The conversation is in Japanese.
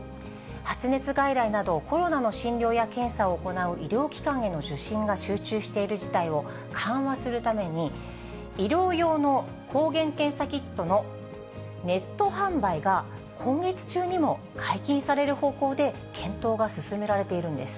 発熱外来などコロナの診療や検査を行う医療機関への受診が集中している事態を緩和するために、医療用の抗原検査キットのネット販売が、今月中にも解禁される方向で検討が進められているんです。